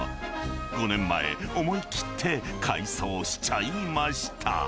５年前、思い切って改装しちゃいました。